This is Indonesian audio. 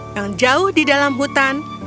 yang jauh di dalam hutan